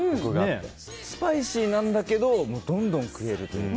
スパイシーなんだけどどんどん食えるというか。